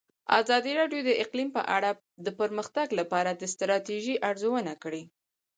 ازادي راډیو د اقلیم په اړه د پرمختګ لپاره د ستراتیژۍ ارزونه کړې.